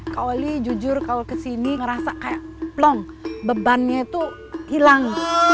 kau oli jujur kalau ke sini ngerasa kayak plong bebannya itu hilang